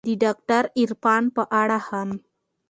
د داکتر عرفان په اړه هم